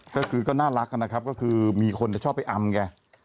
ก็คือก็น่ารักนะครับก็คือมีคนจะชอบไปอำไง